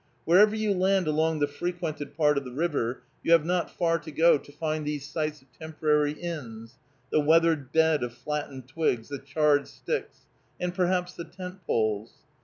Wherever you land along the frequented part of the river, you have not far to go to find these sites of temporary inns, the withered bed of flattened twigs, the charred sticks, and perhaps the tent poles.